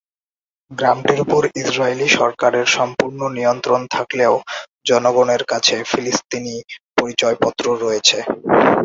গ্রামটির উপর ইসরায়েলি সরকারের সম্পূর্ণ নিয়ন্ত্রণ থাকলেও, জনগণের কাছে ফিলিস্তিনি পরিচয়পত্র রয়েছে।